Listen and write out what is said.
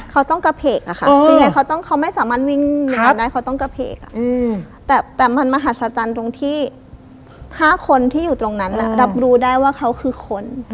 เขาต้องกระเพกอะค่ะคือยังไงเขาไม่สามารถวิ่งอย่างนั้นได้เขาต้องกระเพกแต่มันมหัศจรรย์ตรงที่๕คนที่อยู่ตรงนั้นรับรู้ได้ว่าเขาคือคน